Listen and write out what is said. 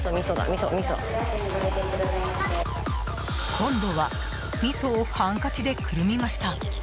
今度はみそをハンカチでくるみました。